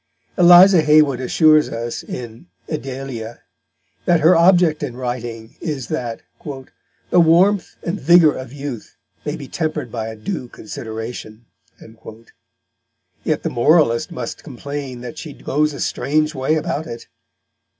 Eliza Haywood assures us, in Idalia, that her object in writing is that "the Warmth and Vigour of Youth may be temper'd by a due Consideration"; yet the moralist must complain that she goes a strange way about it.